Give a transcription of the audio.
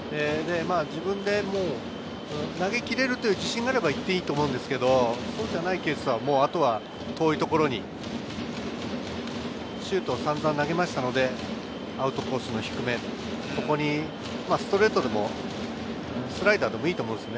自分で投げきれる自信があれば、いっていいと思うんですけれど、そうでなければ遠いところにシュートは散々投げましたのでアウトコースの低め、そこにストレートでもスライダーでもいいと思うんです。